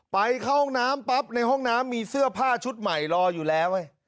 ไปเข้าห้องน้ำปั๊บในห้องน้ำมีเสื้อผ้าชุดใหม่รออยู่แล้ว